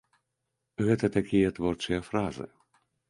Гэта такія творчыя фазы.